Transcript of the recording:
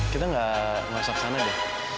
kita gak bisa kesana deh